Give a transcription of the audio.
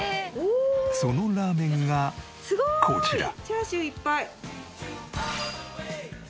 そのラーメンがこちら。